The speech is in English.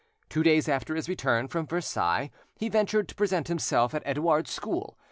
Two days after his return from Versailles, he ventured to present himself at Edouard's school.